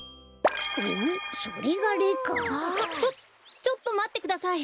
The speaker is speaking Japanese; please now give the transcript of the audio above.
ちょちょっとまってください。